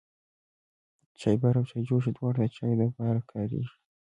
چايبر او چايجوشه دواړه د چايو د پاره کاريږي.